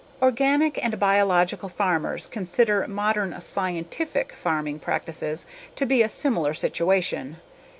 Organic and biological farmers consider modern "scientific" farming practices to be a similar situation.